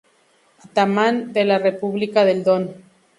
Atamán de la República del Don.